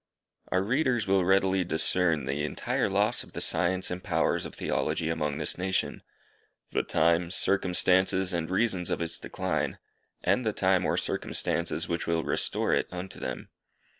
Our readers will readily discern the entire loss of the science and powers of Theology among this nation; the time, circumstances, and reasons of its decline; and the time or circumstances which will restore it unto them.